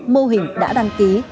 mô hình đã đăng ký